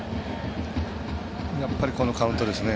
やっぱりこのカウントですね。